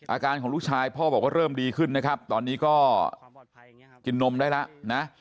อาการของลูกชายพ่อบอกว่าเริ่มดีขึ้นนะครับตอนนี้ก็กินนมได้แล้วนะ